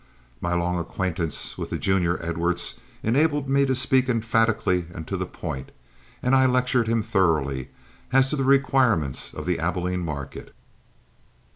My long acquaintance with the junior Edwards enabled me to speak emphatically and to the point, and I lectured him thoroughly as to the requirements of the Abilene market.